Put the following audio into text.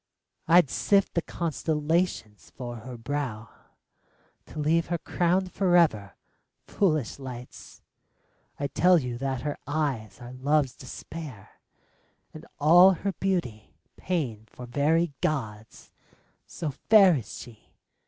I'd sift the constellations for her brow, To leave her crowned forever. Foolish lights, I tell you that her eyes are Love's despair, And all her beauty pain for very gods, So fair is she